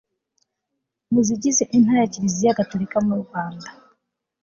mu zigize intara ya kiliziya gatolika mu rwanda